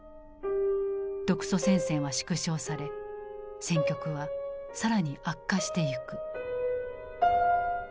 独ソ戦線は縮小され戦局は更に悪化してゆく。